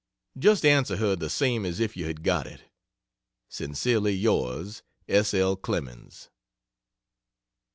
Just answer her the same as if you had got it. Sincerely yours S. L. CLEMENS.